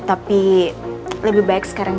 tapi lebih baik sekarang